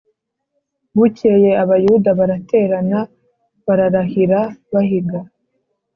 Bukeye Abayuda baraterana bararahira bahiga